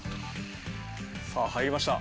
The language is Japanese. さあ入りました。